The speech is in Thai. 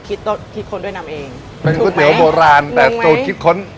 โต๊ะคิดค้นด้วยนำเองเป็นก๋วยเตี๋ยวโบราณแต่สูตรคิดค้น